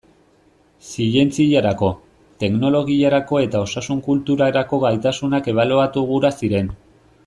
Zientziarako, teknologiarako eta osasun kulturarako gaitasunak ebaluatu gura ziren.